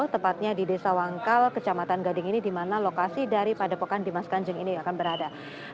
tepatnya di desa wangkal kecamatan gading ini di mana lokasi dari padepokan dimas kanjeng ini akan berada